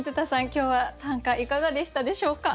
今日は短歌いかがでしたでしょうか？